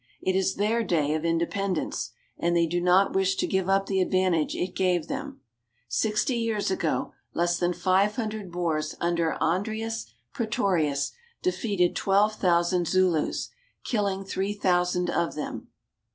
It is their day of independence, and they do not wish to give up the advantage it gave them. Sixty years ago less than five hundred boers under Andries Pretorius defeated twelve thousand Zulus, killing three thousand of them.